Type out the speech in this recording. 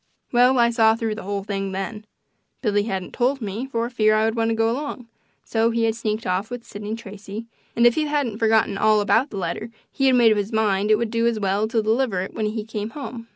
Well, I saw through the whole thing then. Billy hadn't told me, for fear I would want to go along; so he had sneaked off with Sidney Tracy, and if he hadn't forgotten all about the letter he had made up his mind it would do as well to deliver it when he came home.